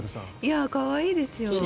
可愛いですよ。